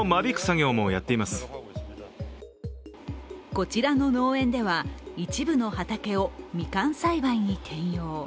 こちらの農園では、一部の畑をみかん栽培に転用。